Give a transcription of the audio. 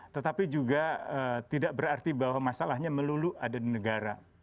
tetapi juga tidak berarti bahwa masalahnya melulu ada di negara